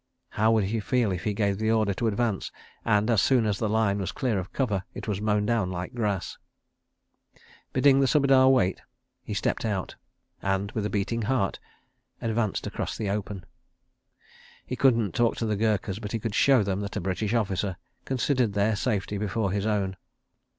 How would he feel if he gave the order to advance and, as soon as the line was clear of cover, it was mown down like grass? Bidding the Subedar wait, he stepped out and, with beating heart, advanced across the open. ... He couldn't talk to the Gurkhas, but he could show them that a British officer considered their safety before his own.